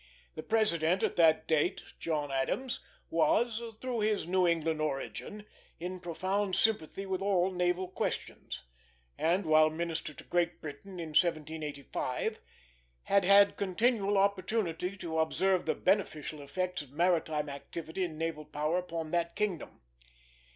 The President at that date, John Adams, was, through his New England origin, in profound sympathy with all naval questions; and, while minister to Great Britain, in 1785, had had continual opportunity to observe the beneficial effect of maritime activity and naval power upon that kingdom.